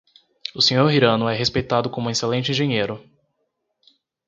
O Sr. Hirano é respeitado como um excelente engenheiro.